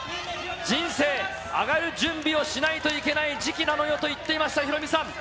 人生上がる準備をしないといけない時期なのよと言っていましたヒロミさん。